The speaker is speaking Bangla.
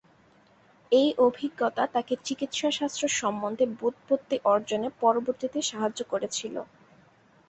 এই অভিজ্ঞতা তাঁকে চিকিৎসাশাস্ত্র সম্বন্ধে ব্যুৎপত্তি অর্জনে পরবর্তীতে সাহায্য করেছিল।